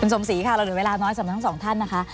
คุณสมศรีเราเหลือเวลาน้อยสำหรับทั้ง๒ท่านนะคะ